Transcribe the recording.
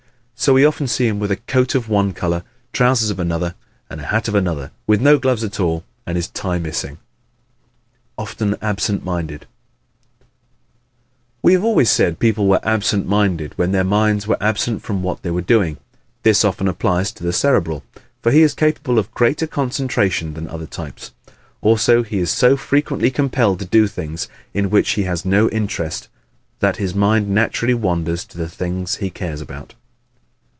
So we often see him with a coat of one color, trousers of another and a hat of another, with no gloves at all and his tie missing. Often Absent Minded ¶ We have always said people were "absent minded" when their minds were absent from what they were doing. This often applies to the Cerebral for he is capable of greater concentration than other types; also he is so frequently compelled to do things in which he has no interest that his mind naturally wanders to the things he cares about.